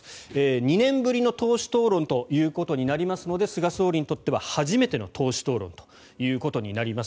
２年ぶりの党首討論となりますので菅総理にとっては初めての党首討論ということになります。